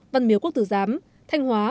văn miếu quốc tử giám thanh hóa